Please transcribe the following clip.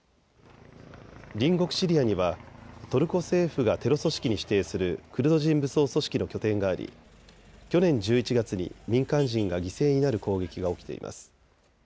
隣国シリアにはトルコ政府がテロ組織に指定するクルド人武装組織の拠点があり去年１１月に民間人が犠牲になる攻撃が起きています。